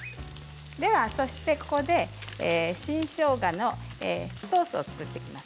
ここで新しょうがのソースを作っていきます。